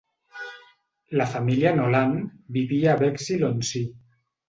La família Nolan vivia a Bexhill-on-Sea.